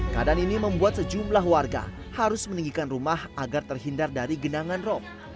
keadaan ini membuat sejumlah warga harus meninggikan rumah agar terhindar dari genangan rop